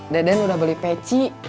deden udah beli peci